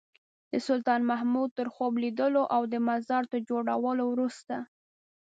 د سلطان محمود تر خوب لیدلو او د مزار تر جوړولو وروسته.